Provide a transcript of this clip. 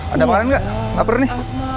ada apaan nggak lapar nih